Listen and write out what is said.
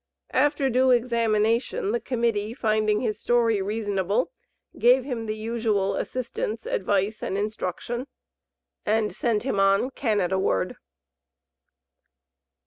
After due examination the Committee, finding his story reasonable, gave him the usual assistance, advice and instruction, and sent him on Canada ward.